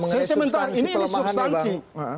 sesementara ini adalah substansi